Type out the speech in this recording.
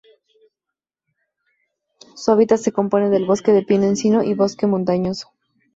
Su hábitat se compone de bosque de pino-encino y bosque húmedo montano.